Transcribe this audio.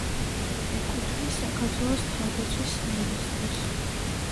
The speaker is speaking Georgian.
ეკუთვნის საქართველოს თავდაცვის სამინისტროს.